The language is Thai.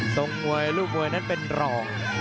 ส่งมวยลูกมวยด้านเป็นหลอง